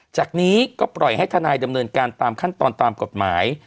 จากนี้ก็ปล่อยให้ทนายดำเนินการตามขั้นตอนตามกฎหมาย